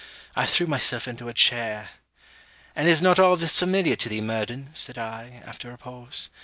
I threw myself into a chair. 'And is not all this familiar to thee, Murden?' said I, after a pause.